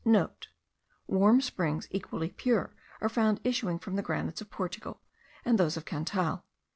*(* Warm springs equally pure are found issuing from the granites of Portugal, and those of Cantal.